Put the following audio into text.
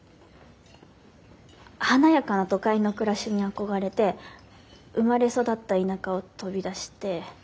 華やかな都会の暮らしに憧れて生まれ育った田舎を飛び出して。